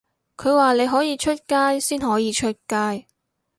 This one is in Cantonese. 佢話你可以出街先可以出街